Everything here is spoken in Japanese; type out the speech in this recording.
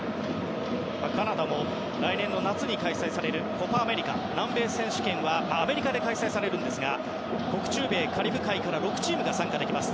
カナダも来年の夏に開催されるコパ・アメリカ南米選手権はアメリカで開催されるんですが北中米カリブ海から６チームが参加できます。